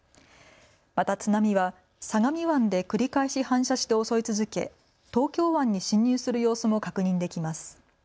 また津波は相模湾で繰り返し反射して襲い続け、東京湾に侵入する様子も確認できます。